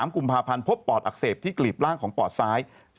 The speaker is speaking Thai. ๓กุมภาพันธ์พบปอดอักเสบที่กลีบร่างของปอดซ้าย